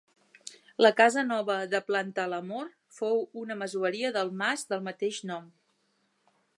La casa nova de Plantalamor fou una masoveria del mas del mateix nom.